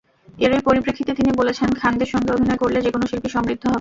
এরই পরিপ্রেক্ষিতে তিনি বলেছেন, খানদের সঙ্গে অভিনয় করলে যেকোনো শিল্পী সমৃদ্ধ হবেন।